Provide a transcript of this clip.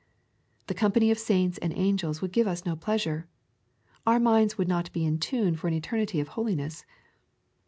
The company of saints and angels would give us no pleasure. Our minds would not be in tune for an eternity of holiness.